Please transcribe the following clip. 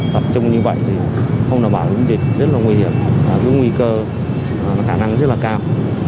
tập trung như vậy thì không đảm bảo đúng dịch rất là nguy hiểm có nguy cơ khả năng rất là cao